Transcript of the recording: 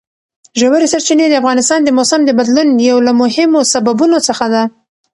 ژورې سرچینې د افغانستان د موسم د بدلون یو له مهمو سببونو څخه ده.